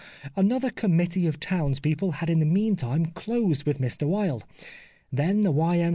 Another committee of townspeople had in the meantime closed with Mr Wilde. Then the Y.M.